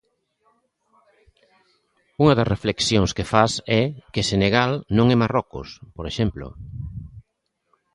Unha das reflexións que fas é que Senegal non é Marrocos, por exemplo.